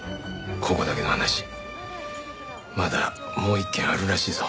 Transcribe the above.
ここだけの話まだもう１件あるらしいぞ。